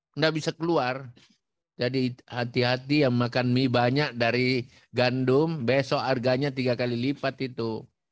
tidak bisa keluar jadi hati hati yang makan mie banyak dari gandum besok harganya tiga kali lipat itu